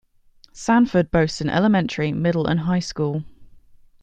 Sanford boasts an elementary, middle and high school.